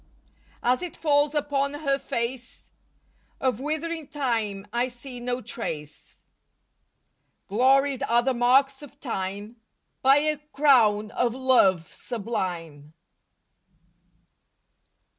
As it falls upon her face Of withering time I see no trace. Gloried are the marks of time By a crown of love sublime.